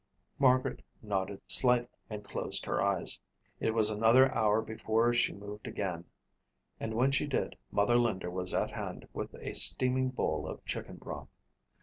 Margaret nodded slightly and closed her eyes. It was another hour before she moved again and when she did Mother Linder was at hand with a steaming bowl of chicken broth.